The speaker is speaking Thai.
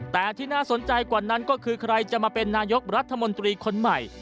แต่ที่น่าสนใจกว่านั้นก็คือใครจะมาเป็นนายกรัฐมนตรีคนใหม่